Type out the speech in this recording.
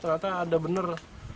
ternyata ada bener